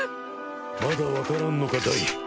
まだわからんのかダイ。